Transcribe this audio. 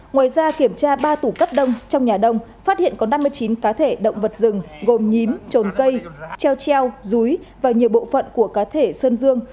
ngoài ra kiểm tra ba tủ cắt đông trong nhà đông phát hiện có năm mươi chín cá thể động vật rừng gồm nhím trồn cây treo treo rúi và nhiều bộ phận của cá thể sơn dương